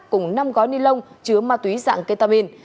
cùng năm gói nilon chứa ma túy dạng ketamine